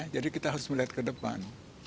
jadi kita harus melihat ke depan